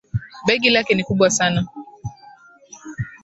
Begi lake ni kubwa sana